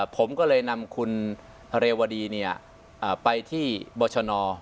ผมก็เลยนำคุณเรวดีไปที่บรชน